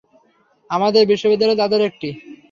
আমাদের বিশ্ববিদ্যালয় তাদের একটি।